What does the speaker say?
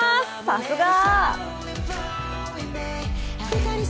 さすが！